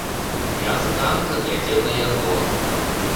Я з ганка глядзеў на яго.